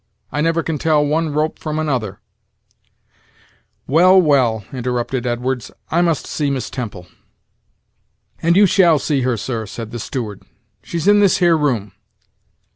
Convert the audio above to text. I never can tell one rope from another " "Well, well," interrupted Edwards; "I must see Miss Temple." "And you shall see her, sir," said the steward; "she's in this here room.